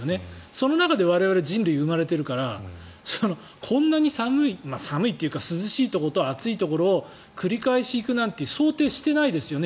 その中で我々人類生まれているからこんなに寒い寒いっていうか涼しいところと暑いところを繰り返し行くなんて想定していないですよね。